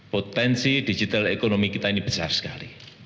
potensi digital ekonomi kita ini besar sekali